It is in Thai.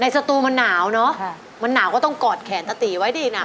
สตูมันหนาวเนอะมันหนาวก็ต้องกอดแขนตะตีไว้ดิน่ะ